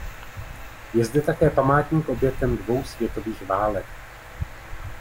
Je zde také památník obětem dvou světových válek.